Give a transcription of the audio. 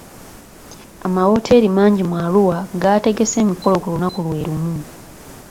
Amawoteeri mangi mu Arua gaategese emikolo ku lunaku lwe lumu.